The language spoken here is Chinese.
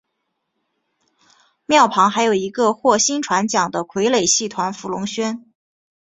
庙旁还有一个获薪传奖的傀儡戏团福龙轩。